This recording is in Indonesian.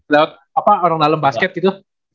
lewat apa orang dalam basket gitu